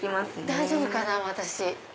大丈夫かな私。